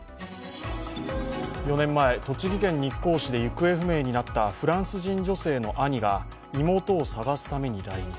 ４年前、栃木県日光市で行方不明になったフランス人女性の兄が妹を捜すために来日。